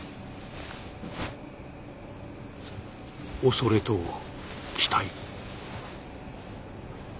恐れと期待。